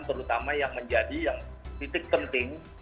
terutama yang menjadi yang titik penting